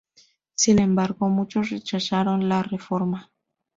Sin embargo, muchos rechazaron la reforma.